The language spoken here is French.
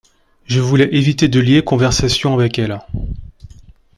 Je voulais éviter de lier conversation avec elle.